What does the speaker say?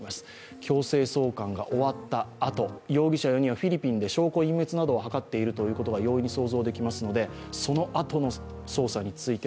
強制送還が終わった後、容疑者４人はフィリピンで証拠を隠そうとしていることが容易に想像できますので、そのあとの捜査については